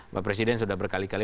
mbak presiden sudah berkali kali